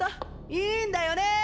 いいんだよねぇ！